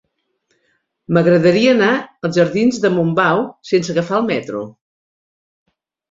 M'agradaria anar als jardins de Montbau sense agafar el metro.